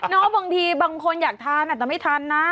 บางทีบางคนอยากทานอาจจะไม่ทานนะ